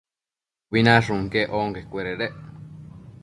Ubi nashun quec onquecuededec